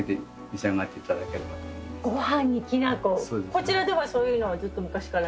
こちらではそういうのはずっと昔から？